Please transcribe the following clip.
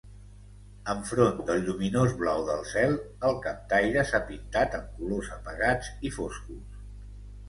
Enfront del lluminós blau del cel, el captaire s'ha pintat amb colors apagats i foscos.